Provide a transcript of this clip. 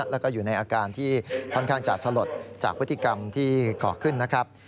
แล้วก็อยู่ในอาการที่ค่อนข้างจะสลดจากพฤติกรรมที่ก่อขึ้นนะครับ